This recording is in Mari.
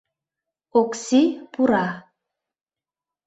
Окси пура.